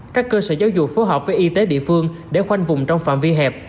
các cơ sở giáo dục phối hợp với y tế địa phương để khoanh vùng trong phạm vi hẹp